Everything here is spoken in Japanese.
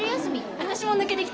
私も抜けてきた。